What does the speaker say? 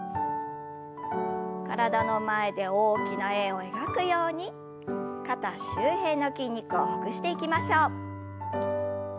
体の前で大きな円を描くように肩周辺の筋肉をほぐしていきましょう。